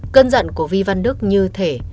cơn giận của vi văn đức như thế